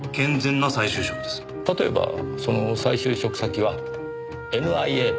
例えばその再就職先はＮＩＡとか。